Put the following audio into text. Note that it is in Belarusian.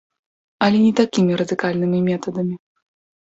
Але не такімі радыкальнымі метадамі.